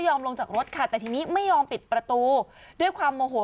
ลงจากรถค่ะแต่ทีนี้ไม่ยอมปิดประตูด้วยความโมโห